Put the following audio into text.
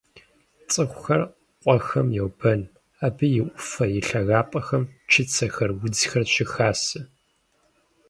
ЦӀыхухэр къуэхэм йобэн: абы и Ӏуфэ, и лъагапӀэхэм чыцэхэр, удзхэр щыхасэ.